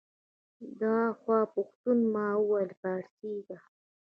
دا خو پښتو ده ما ویل فارسي ده